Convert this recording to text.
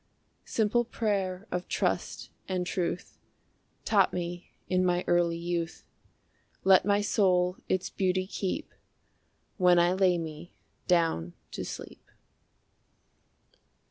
Simple prayer of trust and truth. Taught me in my early youth Let my soul its beauty keep When I lay me down to sleep.